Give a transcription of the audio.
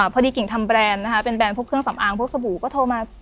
กิ่งทำแบรนด์นะคะเป็นแรนดพวกเครื่องสำอางพวกสบู่ก็โทรมา